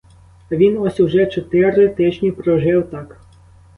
А він ось уже чотири тижні прожив так.